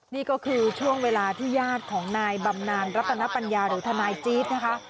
นี่ก็คือช่วงเวลาที่ญาติของนายบำนานรัตนปัญญาหรือทนายจี๊ดนะคะ